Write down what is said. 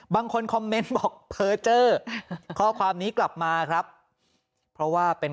บางคนคอมเมนต์บอกเพอร์เจอร์ข้อความนี้กลับมาครับเพราะว่าเป็น